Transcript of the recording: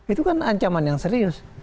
itu kan ancaman yang serius